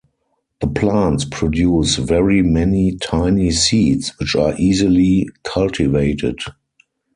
The plants produce very many tiny seeds which are easily cultivated.